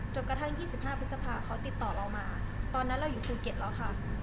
จนกระทั่ง๒๕พฤษภาเขาติดต่อเรามาตอนนั้นเราอยู่ภูเก็ตแล้วค่ะ